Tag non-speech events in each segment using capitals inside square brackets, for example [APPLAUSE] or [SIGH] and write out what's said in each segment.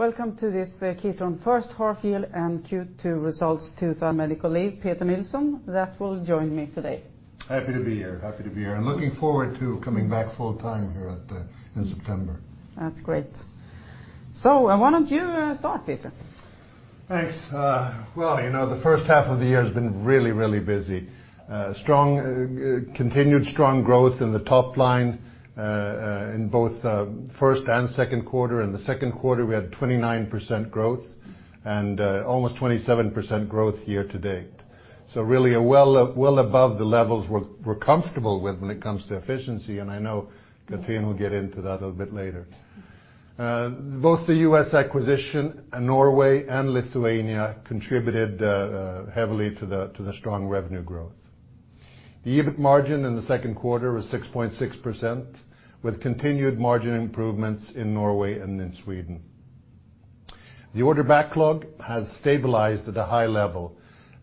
Welcome to this, Kitron first half year and Q2 results to the til Mægler, Peter Nilsson, that will join me today. Happy to be here. Happy to be here, and looking forward to coming back full time here at the, in September. That's great. Why don't you start, Peter? Thanks. Well, you know, the first half of the year has been really, really busy. Strong, continued strong growth in the top line, in both, Q1 and Q2. In the Q2, we had 29% growth and almost 27% growth year-to-date. Really a well above the levels we're comfortable with when it comes to efficiency, and I know Cathrin will get into that a little bit later. Both the U.S. acquisition and Norway and Lithuania contributed heavily to the strong revenue growth. The EBIT margin in the second quarter was 6.6% with continued margin improvements in Norway and in Sweden. The order backlog has stabilized at a high level,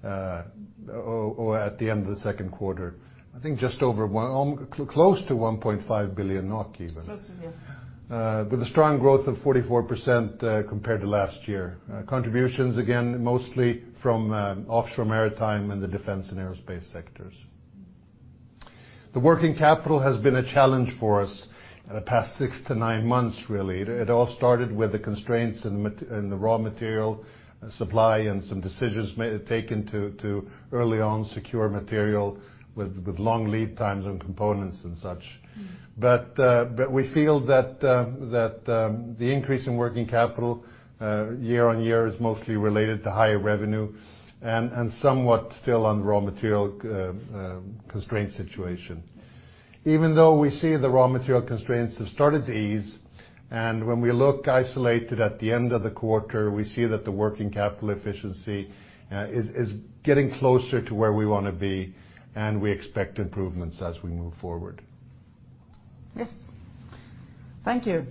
or at the end of the Q2. I think just over one... Close to 1.5 billion NOK even. Close to, yes. With a strong growth of 44%, compared to last year. Contributions again, mostly from offshore maritime and the defense and aerospace sectors. The working capital has been a challenge for us the past six to nine months, really. It all started with the constraints in the raw material supply and some decisions taken to early on secure material with long lead times and components and such. Mm. We feel that the increase in working capital year-on-year is mostly related to higher revenue and somewhat still on raw material constraint situation. Even though we see the raw material constraints have started to ease, and when we look isolated at the end of the quarter, we see that the working capital efficiency is getting closer to where we want to be, and we expect improvements as we move forward. Yes. Thank you.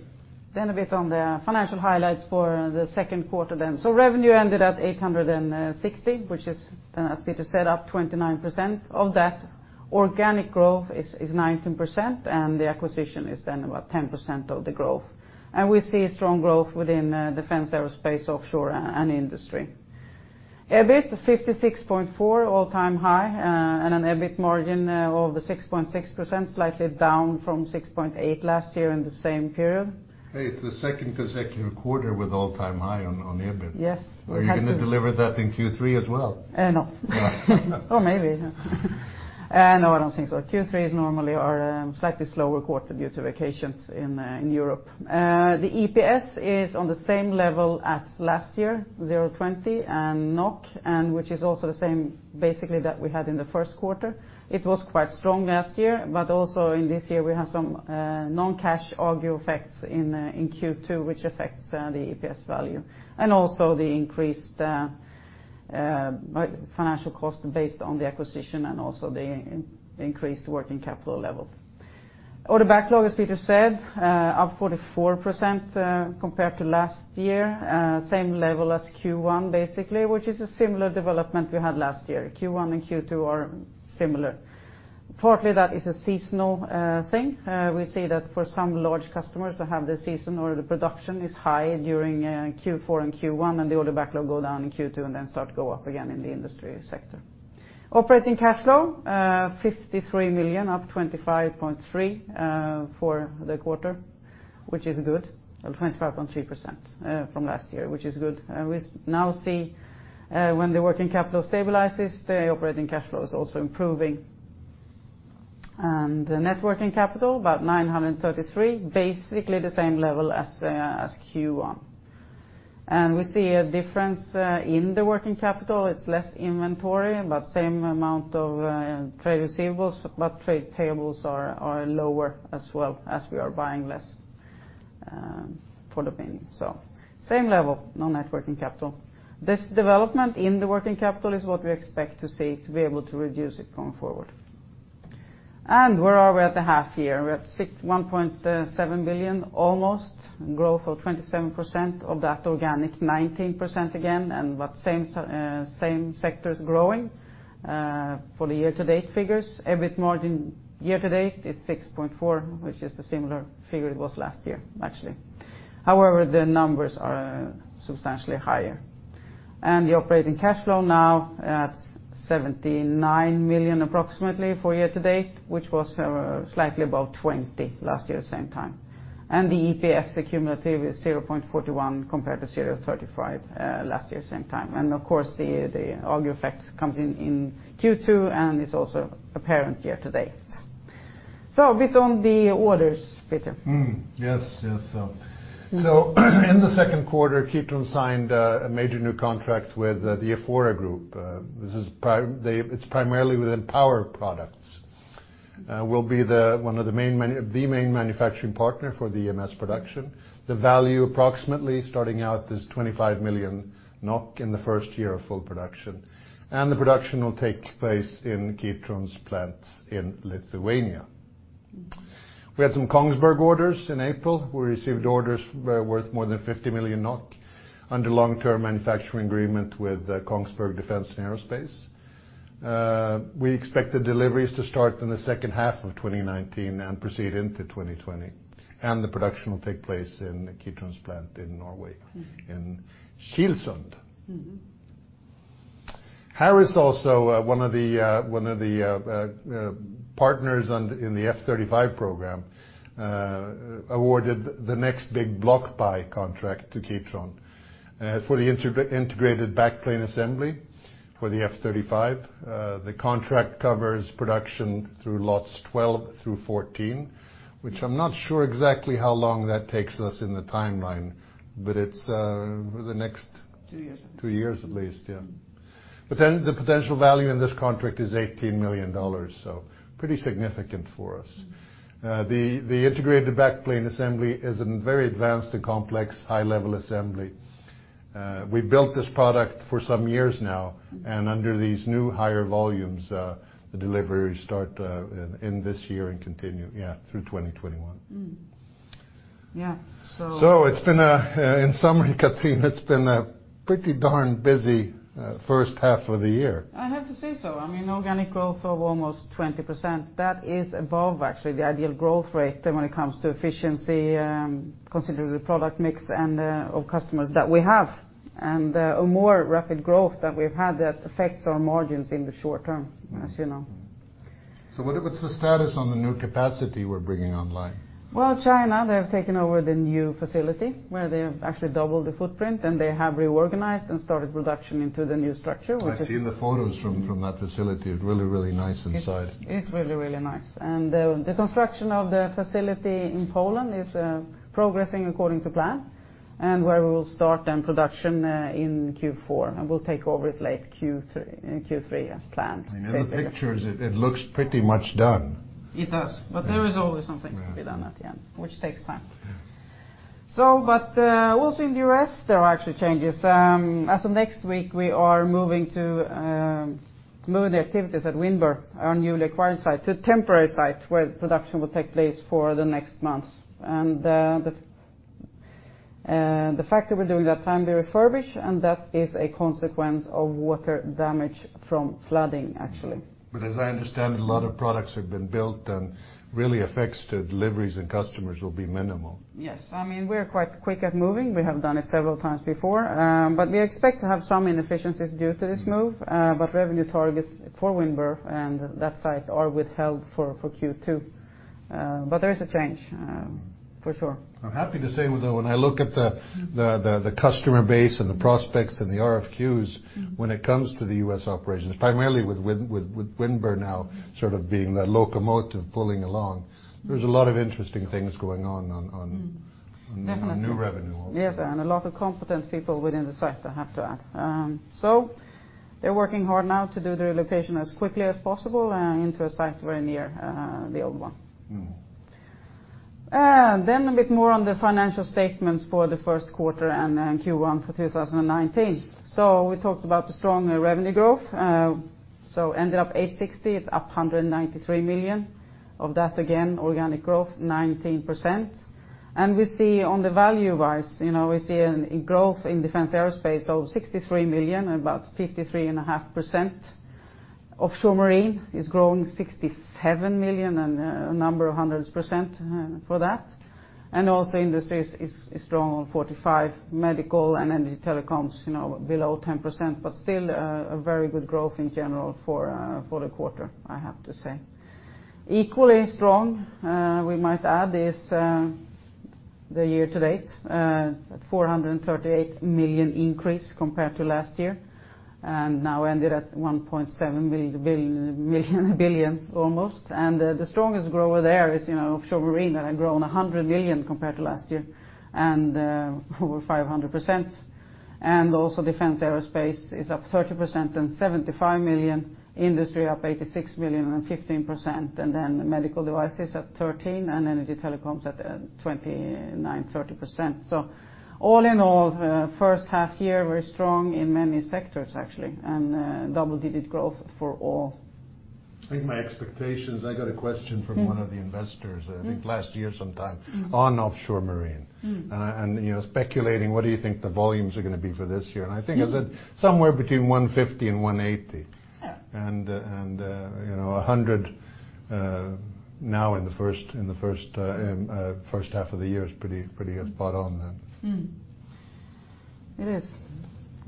A bit on the financial highlights for the Q2 then. Revenue ended at 860, which is, as Peter said, up 29%. Of that, organic growth is 19%, and the acquisition is then about 10% of the growth. We see strong growth within defense, aerospace, offshore and industry. EBIT, 56.4, all-time high, and an EBIT margin of 6.6%, slightly down from 6.8% last year in the same period. Hey, it's the second consecutive quarter with all-time high on EBIT. Yes. Are you gonna deliver that in Q3 as well? No. Or maybe. No, I don't think so. Q3 is normally our slightly slower quarter due to vacations in Europe. The EPS is on the same level as last year, 0.20, which is also the same basically that we had in the Q1. It was quite strong last year, but also in this year we have some non-cash Agio effects in Q2, which affects the EPS value. Also the increased financial cost based on the acquisition and also the increased working capital level. Order backlog, as Peter said, up 44% compared to last year, same level as Q1, basically, which is a similar development we had last year. Q1 and Q2 are similar. Partly, that is a seasonal thing. We see that for some large customers that have the season or the production is high during Q4 and Q1, and the order backlog go down in Q2 and then start to go up again in the industry sector. Operating cash flow, 53 million, up 25.3 for the quarter, which is good. Well, 25.3% from last year, which is good. We now see, when the working capital stabilizes, the operating cash flow is also improving. The net working capital, about 933, basically the same level as Q1. We see a difference in the working capital. It's less inventory, but same amount of trade receivables, but trade payables are lower as well as we are buying less for the mean. Same level, no net working capital. This development in the working capital is what we expect to see to be able to reduce it going forward. Where are we at the half year? We're at 1.7 billion, almost, growth of 27%. Of that, organic, 19% again, same sectors growing for the year to date figures. EBIT margin year to date is 6.4%, which is the similar figure it was last year, actually. However, the numbers are substantially higher. The operating cash flow now at 79 million, approximately for year to date, which was slightly above 20 million last year, same time. The EPS accumulative is 0.41 compared to 0.35 last year, same time. Of course, the agio effects comes in in Q2 and is also apparent year to date. A bit on the orders, Peter. Yes, yes. In the Q2, Kitron signed a major new contract with the Efore Group. This is primarily within power products. We'll be one of the main manufacturing partner for the EMS production. The value approximately starting out is 25 million NOK in the first year of full production. The production will take place in Kitron's plants in Lithuania. We had some Kongsberg orders in April. We received orders worth more than 50 million NOK under long-term manufacturing agreement with Kongsberg Defence & Aerospace. We expect the deliveries to start in the second half of 2019 and proceed into 2020. The production will take place in Kitron's plant in Norway, in Kilsund. Mm-hmm. Harris also, one of the partners on, in the F-35 program, awarded the next big block buy contract to Kitron. For the integrated backplane assembly for the F-35. The contract covers production through lots 12 through 14, which I'm not sure exactly how long that takes us in the timeline, but it's. Two years. Two years at least, yeah. The potential value in this contract is $18 million, so pretty significant for us. The integrated backplane assembly is a very advanced and complex high-level assembly. We built this product for some years now and under these new higher volumes, the deliveries start in this year and continue through 2021. Yeah. It's been a, in summary, Cathrin, it's been a pretty darn busy, first half of the year. I have to say so. I mean, organic growth of almost 20%, that is above actually the ideal growth rate than when it comes to efficiency, considering the product mix and of customers that we have. A more rapid growth that we've had that affects our margins in the short term as you know. What's the status on the new capacity we're bringing online? Well, China, they have taken over the new facility where they have actually doubled the footprint, and they have reorganized and started production into the new structure. I've seen the photos from that facility. Really nice inside. It's really, really nice. The construction of the facility in Poland is progressing according to plan, and where we will start then production in Q4, and we'll take over it late Q3, in Q3 as planned [CROSSTALK] basically. I know the pictures. It looks pretty much done. It does. Yeah. There is always something to be done at the end. Yeah Which takes time. Yeah. Also in the U.S., there are actually changes. As of next week, we are moving to move the activities at Windber, our newly acquired site, to a temporary site where production will take place for the next months. The factory will, during that time, be refurbished, and that is a consequence of water damage from flooding, actually. As I understand, a lot of products have been built and really affects to deliveries and customers will be minimal. Yes. I mean, we're quite quick at moving. We have done it several times before. We expect to have some inefficiencies due to this move, but revenue targets for Windber and that site are withheld for Q2. There is a change for sure. I'm happy to say with the, when I look at the customer base and the prospects and the RFQs when it comes to the U.S. operations, primarily with Windber now sort of being the locomotive pulling along, there's a lot of interesting things going on. Mm-hmm. Definitely. New revenue also. Yes, a lot of competent people within the site, I have to add. They're working hard now to do the relocation as quickly as possible, into a site very near the old one. Mm-hmm. A bit more on the financial statements for the first quarter and Q1 for 2019. We talked about the strong revenue growth, ended up 860 million. It's up 193 million. Of that, again, organic growth 19%. We see on the value-wise, you know, we see a growth in defense aerospace of 63 million and about 53.5%. Offshore marine is growing 67 million and a number of hundreds percent for that. Also industries is strong on 45 million, medical and energy telecoms, you know, below 10%, but still a very good growth in general for the quarter, I have to say. Equally strong, we might add, is the year to date, at 438 million increase compared to last year, and now ended at 1.7 billion almost. The strongest grower there is, you know, offshore marine that had grown 100 million compared to last year, over 500%. Also defense aerospace is up 30% and 75 million, industry up 86 million and 15%, and then medical devices at 13%, and energy telecoms at 29%-30%. All in all, first half year very strong in many sectors actually, double-digit growth for all. I think my expectations, I got a question from one of the investors. Mm-hmm I think last year sometime- Mm-hmm On offshore marine. Mm-hmm. You know, speculating what do you think the volumes are gonna be for this year? Mm-hmm. I think I said somewhere between 150 and NOK 180.Yeah. You know, 100, now in the first half of the year is pretty spot on then. It is.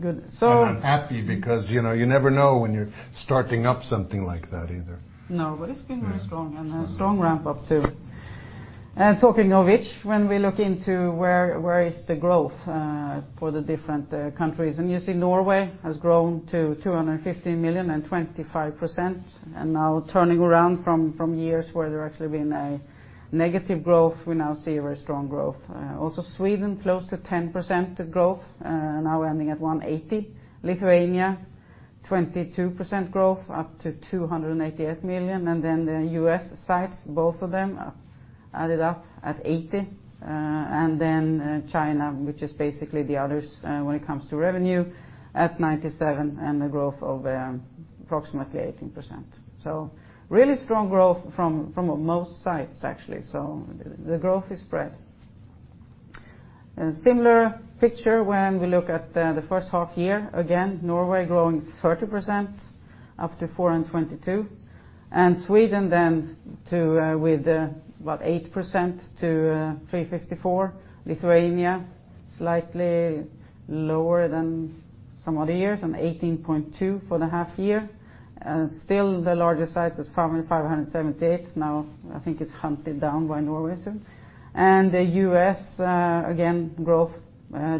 Good. I'm happy because, you know, you never know when you're starting up something like that either. No, it's been very strong and a strong ramp up too. Talking of which, when we look into where is the growth for the different countries, you see Norway has grown to 250 million and 25%, and now turning around from years where there's actually been a negative growth, we now see very strong growth. Also Sweden close to 10% growth, now ending at 180 million. Lithuania, 22% growth, up to 288 million. The U.S. sites, both of them, added up at 80 million. China, which is basically the others, when it comes to revenue, at 97 million and a growth of approximately 18%. Really strong growth from most sites actually. The growth is spread. Similar picture when we look at the first half year. Norway growing 30% up to 422 million, and Sweden then to, with 8% to 354 million. Lithuania slightly lower than some other years, 18.2 million for the half year. Still the largest site is probably 578 million. I think it's hunted down by Norway soon. The U.S., again, growth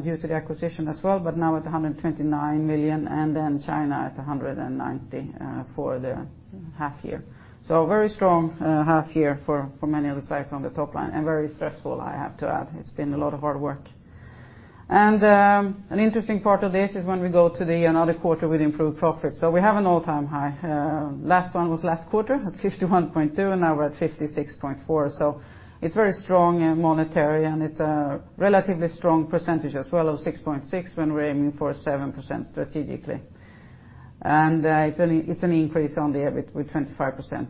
due to the acquisition as well but now at $129 million, and then China at 190 million for the half year. Very strong half year for many of the sites on the top line, and very stressful I have to add. It's been a lot of hard work. An interesting part of this is when we go to the another quarter with improved profits. We have an all-time high. Last one was last quarter at 51.2, now we're at 56.4. It's very strong in monetary, and it's a relatively strong percentage as well of 6.6% when we're aiming for 7% strategically. It's an increase on the EBIT with 25%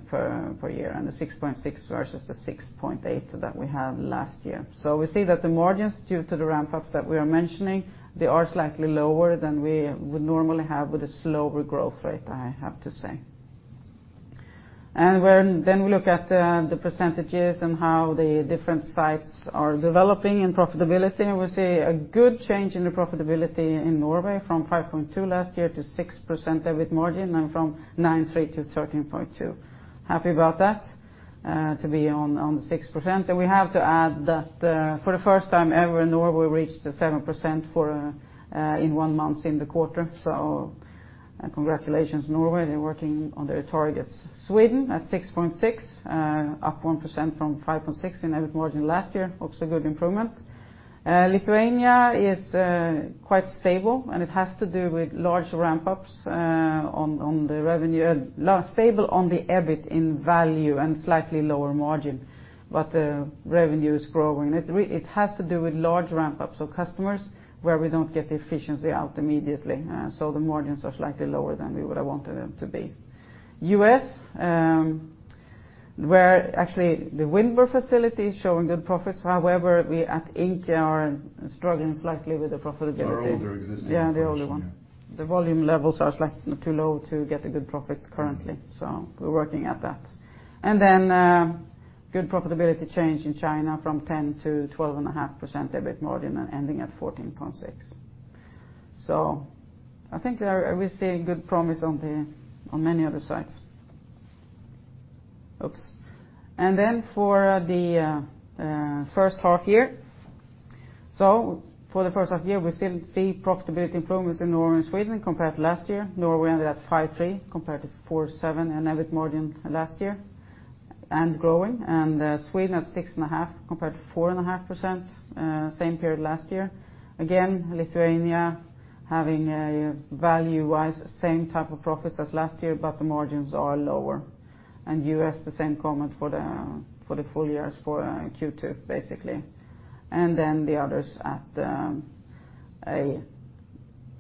per year, and the 6.6% versus the 6.8% that we had last year. We see that the margins due to the ramp-ups that we are mentioning, they are slightly lower than we would normally have with a slower growth rate, I have to say. When then we look at the percentages and how the different sites are developing in profitability, we see a good change in the profitability in Norway from 5.2% last year to 6% EBIT margin and from 9.3% to 13.2%. Happy about that, to be on the 6%. We have to add that, for the first time ever, Norway reached the 7% for in one month in the quarter. So congratulations, Norway. They're working on their targets. Sweden at 6.6%, up 1% from 5.6% in EBIT margin last year, also good improvement. Lithuania is quite stable, and it has to do with large ramp ups on the revenue. Stable on the EBIT in value and slightly lower margin, but the revenue is growing. It has to do with large ramp ups of customers where we don't get the efficiency out immediately, so the margins are slightly lower than we would have wanted them to be. U.S., where actually the Windber facility is showing good profits. However, we at Inca are struggling slightly with the profitability. [CROSSTALK] The older existing [CROSSTALK] Yeah, the older one. Version, yeah. The volume levels are too low to get a good profit currently. We're working at that. Then, good profitability change in China from 10% to 12.5% EBIT margin and ending at 14.6%. I think we're seeing good promise on many of the sites. Oops. Then for the first half year. For the first half year, we still see profitability improvements in Norway and Sweden compared to last year. Norway ended at 5.3% compared to 4.7% in EBIT margin last year and growing. Sweden at 6.5% compared to 4.5% same period last year. Again, Lithuania having a value-wise same type of profits as last year, but the margins are lower. U.S., the same comment for the full years for Q2, basically. The others at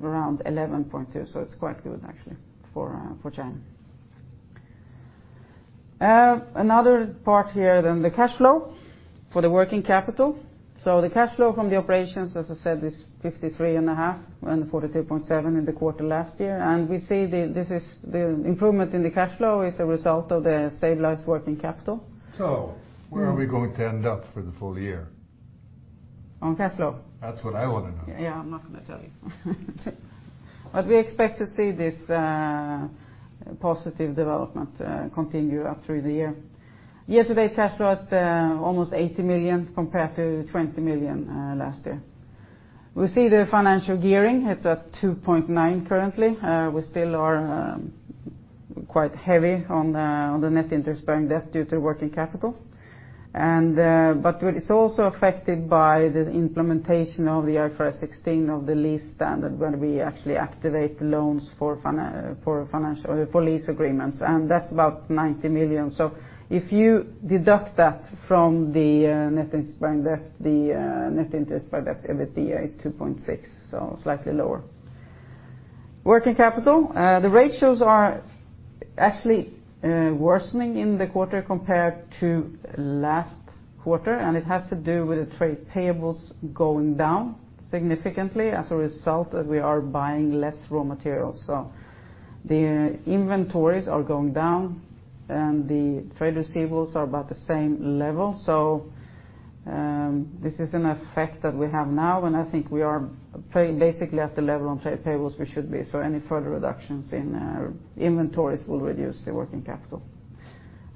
around 11.2, so it's quite good actually for China. Another part here than the cash flow for the working capital. The cash flow from the operations, as I said, is 53 and a half and 42.7 in the quarter last year. We see the improvement in the cash flow is a result of the stabilized working capital. Where are we going to end up for the full year? On cash flow? That's what I wanna know. Yeah, I'm not gonna tell you. We expect to see this positive development continue up through the year. Year-to-date cash flow at almost 80 million compared to 20 million last year. We see the financial gearing. It's at 2.9 currently. We still are quite heavy on the net interest bearing debt due to working capital. It's also affected by the implementation of the IFRS 16 of the lease standard when we actually activate loans for financial for lease agreements, and that's about 90 million. If you deduct that from the net interest bearing debt, the net interest bearing debt EBITDA is 2.6, so slightly lower. Working capital, the ratios are actually worsening in the quarter compared to last quarter, and it has to do with the trade payables going down significantly as a result that we are buying less raw materials. The inventories are going down, and the trade receivables are about the same level. This is an effect that we have now, and I think we are paying basically at the level on trade payables we should be. Any further reductions in inventories will reduce the working capital.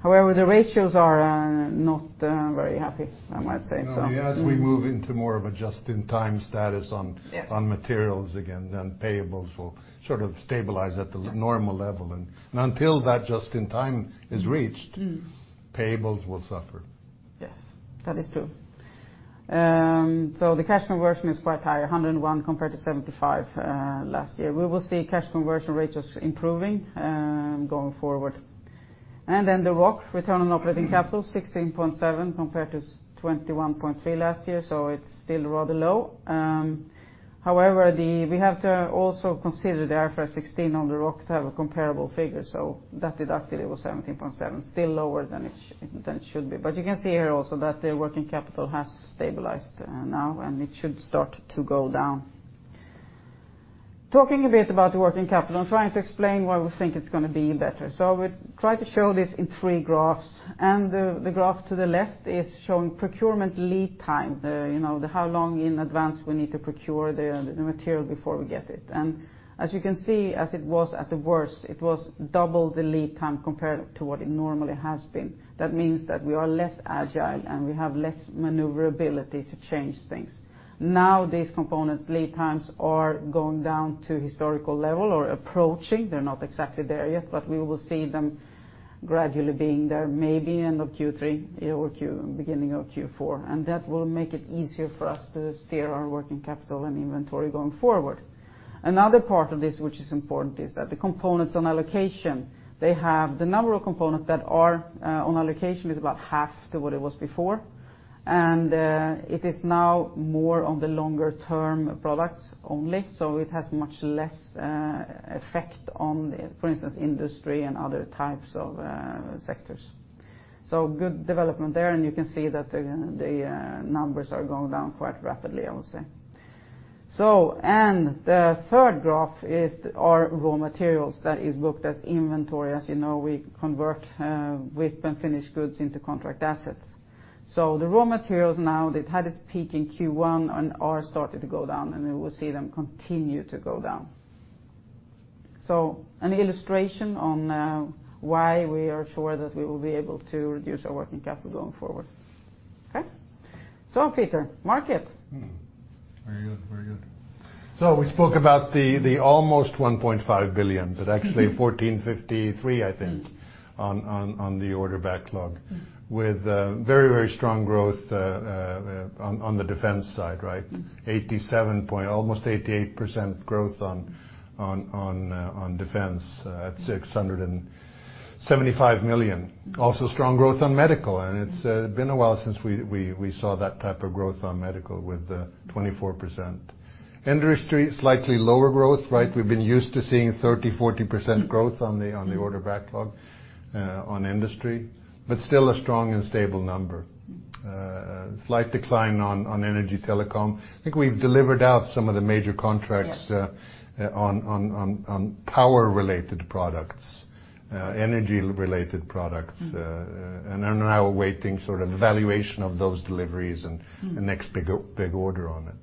The ratios are not very happy, I might say so. No, as we move into more of a just-in-time status on. Yes On materials again, then payables will sort of stabilize at the normal level. Until that just-in-time is reached. Mm-hmm Payables will suffer. Yes. That is true. The cash conversion is quite high, 101 compared to 75 last year. We will see cash conversion rates just improving going forward. The ROC, return on operating capital, 16.7 compared to 21.3 last year. It's still rather low. However, we have to also consider the IFRS 16 on the books to have a comparable figure. That deducted, it was 17.7, still lower than it should be. You can see here also that the working capital has stabilized now, and it should start to go down. Talking a bit about the working capital and trying to explain why we think it's gonna be better. I will try to show this in three graphs. The graph to the left is showing procurement lead time, you know, the how long in advance we need to procure the material before we get it. As you can see, as it was at the worst, it was double the lead time compared to what it normally has been. That means that we are less agile, and we have less maneuverability to change things. Now, these component lead times are going down to historical level or approaching. They're not exactly there yet, but we will see them gradually being there maybe end of Q3 or beginning of Q4. That will make it easier for us to steer our working capital and inventory going forward. Another part of this which is important is that the components on allocation, the number of components that are on allocation is about half to what it was before. It is now more on the longer-term products only, so it has much less effect on the, for instance, industry and other types of sectors. Good development there, and you can see that the numbers are going down quite rapidly, I would say. The third graph is our raw materials that is booked as inventory. As you know, we convert WIP and finished goods into contract assets. The raw materials now that had its peak in Q1 and are starting to go down, and we will see them continue to go down. An illustration on, why we are sure that we will be able to reduce our working capital going forward. Okay? Peter, market. Mm-hmm. Very good. Very good. We spoke about the almost 1.5 billion... Mm-hmm. That actually 1,453, I think on the order backlog. Mm. With, very, very strong growth, on the defense side, right? Mm-hmm. 87 point-- almost 88% growth on defense at 675 million. Also strong growth on medical, and it's been a while since we saw that type of growth on medical with 24%. Industry, slightly lower growth, right? We've been used to seeing 30%, 40% growth on the order backlog on industry, but still a strong and stable number. slight decline on energy telecom. I think we've delivered out some of the major contracts. Yes.on power-related products, energy-related products. Are now awaiting sort of evaluation of those deliveries. Mm. The next big order on it.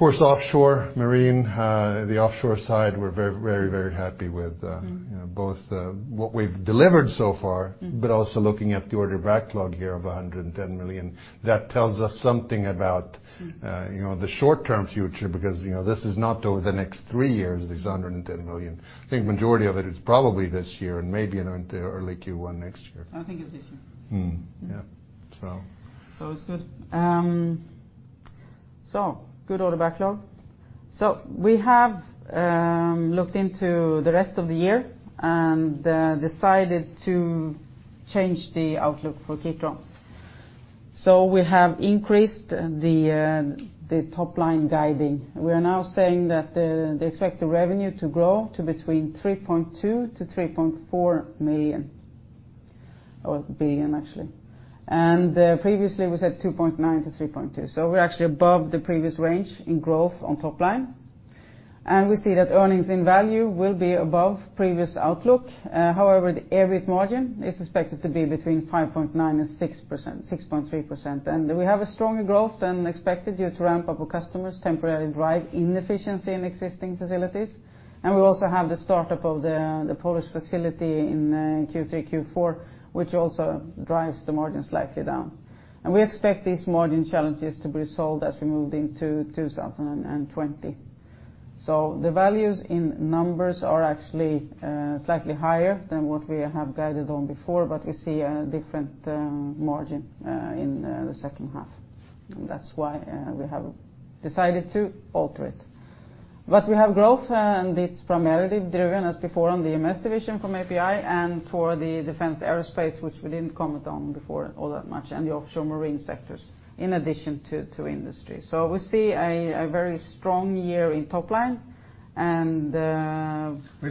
Of course, offshore, marine, the offshore side, we're very, very, very happy with. Mm. Both, what we've delivered so far Mm. Also looking at the order backlog here of 110 million. That tells us something about. Mm. You know, the short-term future because, you know, this is not over the next three years, this 110 million. I think majority of it is probably this year and maybe in early Q1 next year. I think it's this year. Mm-hmm. Yeah. It's good. Good order backlog. We have looked into the rest of the year and decided to change the outlook for Kitron. We have increased the top line guiding. We are now saying that they expect the revenue to grow to between 3.2 billion-3.4 billion, actually. Previously, we said 2.9 billion-3.2 billion. We're actually above the previous range in growth on top line. We see that earnings in value will be above previous outlook. However, the EBIT margin is expected to be between 5.9%-6.3%. We have a stronger growth than expected due to ramp-up of customers temporarily drive inefficiency in existing facilities. We also have the startup of the Polish facility in Q3, Q4, which also drives the margin slightly down. We expect these margin challenges to be solved as we move into 2020. The values in numbers are actually slightly higher than what we have guided on before, but we see a different margin in the second half. That's why we have decided to alter it. We have growth, and it's primarily driven, as before, on the EMS division from API and for the defense aerospace, which we didn't comment on before all that much, and the offshore marine sectors, in addition to industry. We see a very strong year in top line and...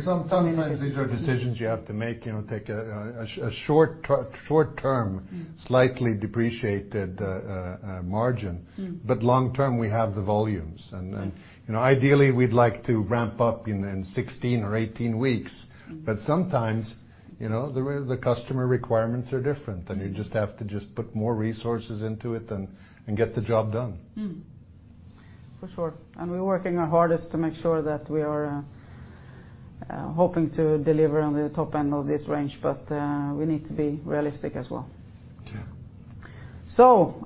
[CROSSTALK] Sometimes these are decisions you have to make, you know, take a short term, slightly depreciated margin. Mm. Long term, we have the volumes. You know, ideally, we'd like to ramp up in 16 or 18 weeks. Sometimes, you know, the customer requirements are different, and you just have to just put more resources into it and get the job done. For sure. We're working our hardest to make sure that we are hoping to deliver on the top end of this range, but we need to be realistic as well. Yeah.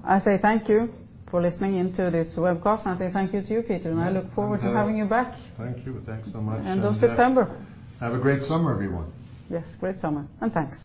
I say thank you for listening in to this web conference. I say thank you to you, Peter, and I look forward to having you back. Thank you. Thanks so much. End of September. Have a great summer, everyone. Yes, great summer, and thanks.